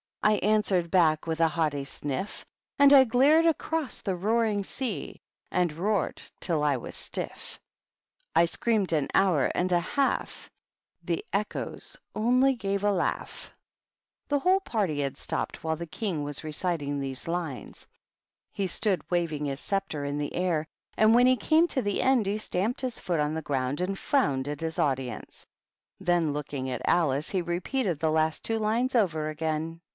/ answered bach with haughty sniff; I glared across the roaring sea^ And roared till I was stiff I I screamed an hour and a half — The echoes only gave a laughs The whole party had stopped while the King was reciting these lines. He stood waving his THE BISHOPS. 175 sceptre in the air, and when he came to the end he stamped his foot on the ground and frowned at his audience; then, looking at Alice, he re peated the last two lines over again.